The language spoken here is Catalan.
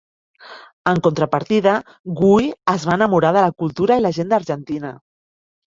En contrapartida, Guy es va enamorar de la cultura i la gent d'Argentina.